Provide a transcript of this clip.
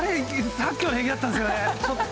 さっきまで平気だったんですけどね。